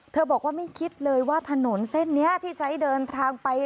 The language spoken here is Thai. บอกว่าไม่คิดเลยว่าถนนเส้นนี้ที่ใช้เดินทางไป